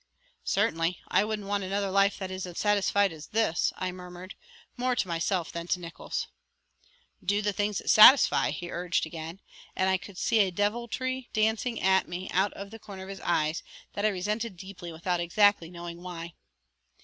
"Certainly I wouldn't want another life that is as unsatisfied as this," I murmured, more to myself than to Nickols. "Do the things that satisfy," he urged again, and I could see a deviltry dancing at me out of the corner of his eyes that I resented deeply without exactly knowing why.